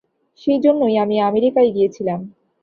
সেই জন্যই আমি আমেরিকায় গিয়াছিলাম।